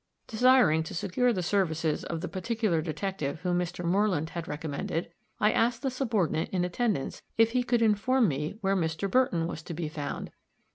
Desiring to secure the services of the particular detective whom Mr. Moreland had recommended, I asked the subordinate in attendance, if he could inform me where Mr. Burton was to be found.